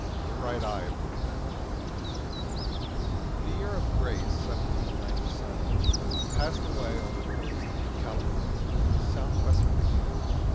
THE RIGHT EYE OF THE COMMANDER The year of grace 1797 passed away on the coast of California in a southwesterly gale.